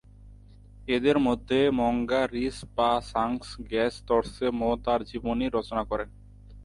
এঁদের মধ্যে ম্ঙ্গা'-রিস-পা-সাংস-র্গ্যাস-র্ত্সে-মো তার জীবনী রচনা করেন।